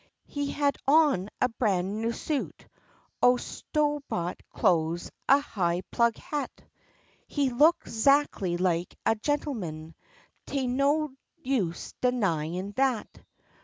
He had on a bran' new suit o' sto' bought clo'es, a high plug hat; He looked 'zactly like a gen'man, tain't no use d'nyin' dat.